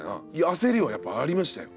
焦りはやっぱありましたよ。